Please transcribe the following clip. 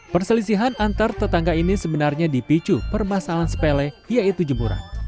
perselisihan antar tetangga ini sebenarnya dipicu permasalahan sepele yaitu jemuran